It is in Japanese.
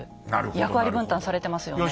役割分担されてますよね。